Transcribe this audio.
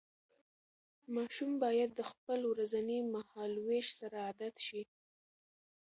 ماشوم باید د خپل ورځني مهالوېش سره عادت شي.